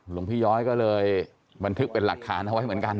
หลวงพี่ย้อยก็เลยบันทึกเป็นหลักฐานเอาไว้เหมือนกัน